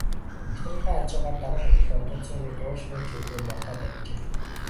Эхнэрийнхээ хажуугаар дарга их л ундууцангуй дуу шуу ч үгүй мордоод арилж өглөө.